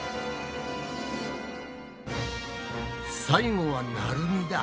最後はなるみだ。